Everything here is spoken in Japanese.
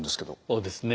そうですね。